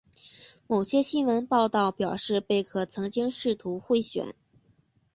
某些新闻报道表示贝克曾试图贿选。